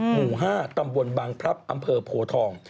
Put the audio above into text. หมู่๕ตำบลบังพลับอำเภอโพทอง